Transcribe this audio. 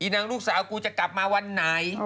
นางลูกสาวกูจะกลับมาวันไหน